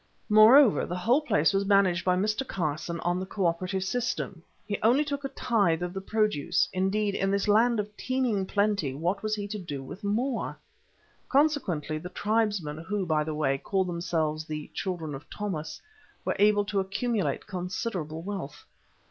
Moreover, the whole place was managed by Mr. Carson on the co operative system; he only took a tithe of the produce—indeed, in this land of teeming plenty, what was he to do with more? Consequently the tribesmen, who, by the way, called themselves the "Children of Thomas," were able to accumulate considerable wealth.